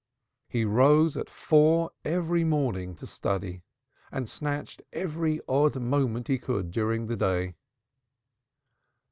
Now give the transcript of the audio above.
He rose at four every morning to study, and snatched every odd moment he could during the day.